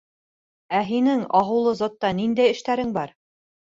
— Ә һинең Ағыулы Затта ниндәй эштәрең бар?